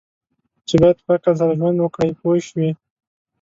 چې باید په عقل سره ژوند وکړي پوه شوې!.